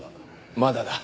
まだだ。